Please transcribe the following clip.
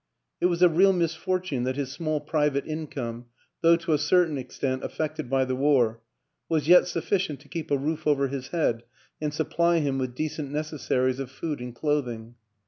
It was a real misfortune that his small private income, though to a certain extent affected by the war, was yet sufficient to keep a roof over his head and supply him with decent necessaries of food and clothing.